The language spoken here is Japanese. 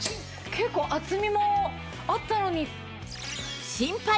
結構厚みもあったのに。